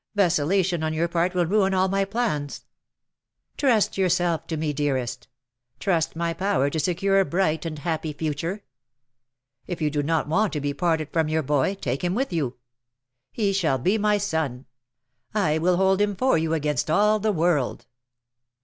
Vacillation on your part will ruin all my plans. Trust yourself to me, dearest — trust my power to secure a bright and happy future. If you do not want to be parted from your boy, take him with you. He shall be my son. I will hold him for you against all the world.